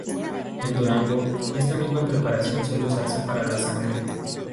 En Durango, esta misma preparación suele usarse para la sangre.